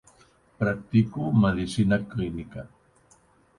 Practico medicina clínica.